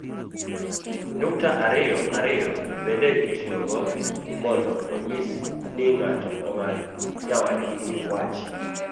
nyukta ariyo ariyo bende itiyogo mondo onyis ni ng'ato ong'ado nyawadgi iwach